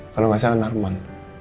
kalau nggak salah narman